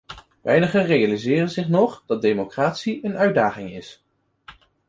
Weinigen realiseren zich nog dat democratie een uitdaging is.